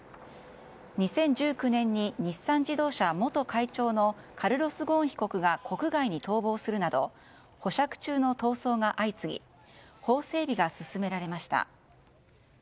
２０１９年に日産自動車元会長のカルロス・ゴーン被告が国外に逃亡するなど保釈中の逃走が相次ぎ法整備が進められました。